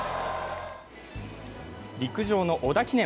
陸上の織田記念。